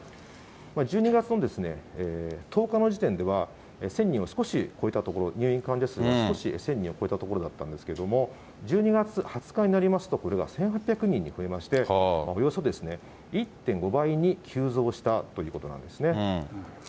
１２月の１０日の時点では１０００人を少し超えたところ、入院患者数が少し１０００人を超えたところだったんですけど、１２月２０日になりますと、これが１８００人に増えまして、およそ１．５倍に急増したということなんですね。